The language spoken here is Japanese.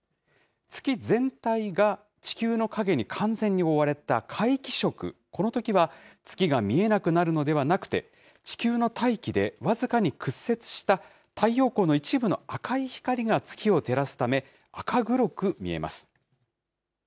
月全体が地球の影に完全に覆われた皆既食、このときは、月が見えなくなるのではなくて、地球の大気で僅かに屈折した、太陽光の一部の赤い光が月を照らすため、赤黒く見えます。